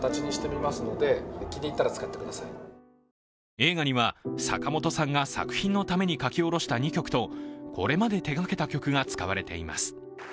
映画には、坂本さんが作品のために書き下ろした２曲とこれまで手がけた曲が使われています。